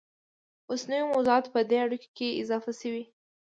اوس نوي موضوعات په دې اړیکو کې اضافه شوي